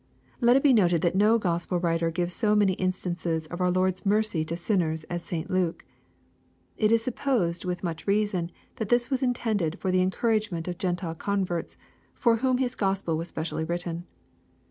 Let it be noted that no Gospel writer gives so many instances of our Lord's mercy to sinners as St. Luke. It is supposed, with much reason, that this was intended for the encouragement of Gentile converts, for whom his Gospel was specially written.